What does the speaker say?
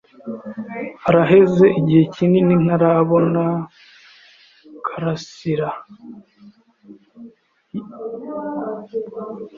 Haraheze igihe kinini ntarabona Karasiraibi byishimo.